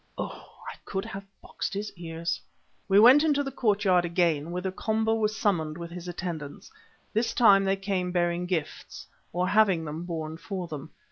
Oh! I could have boxed his ears. We went into the courtyard again, whither Komba was summoned with his attendants. This time they came bearing gifts, or having them borne for them.